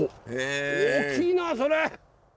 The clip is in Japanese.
大きいなそれ！